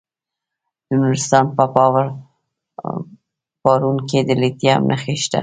د نورستان په پارون کې د لیتیم نښې شته.